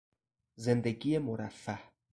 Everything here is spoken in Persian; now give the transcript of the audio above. زندگی مرفه